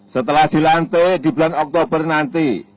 setelah dilantik di bulan oktober nanti